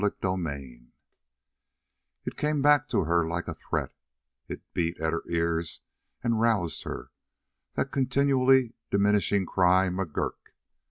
CHAPTER 34 It came back to her like a threat; it beat at her ears and roused her, that continually diminishing cry: "McGurk!"